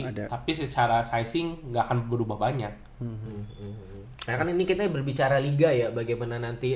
ada tapi secara sizing nggak akan berubah banyak karena kan ini kita berbicara liga ya bagaimana nanti